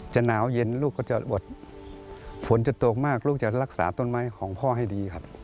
หนาวเย็นลูกก็จะอดฝนจะตกมากลูกจะรักษาต้นไม้ของพ่อให้ดีครับ